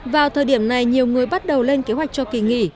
vào thời điểm này nhiều người bắt đầu lên kế hoạch cho kỳ nghỉ